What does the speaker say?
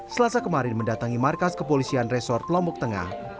selasa kemarin mendatangi markas kepolisian resort lombok tengah